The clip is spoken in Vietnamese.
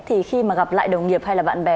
thì khi mà gặp lại đồng nghiệp hay là bạn bè